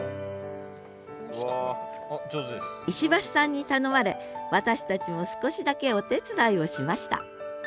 石橋さんに頼まれ私たちも少しだけお手伝いをしました